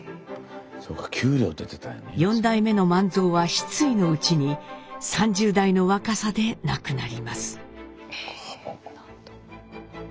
４代目の万蔵は失意のうちに３０代の若さで亡くなります。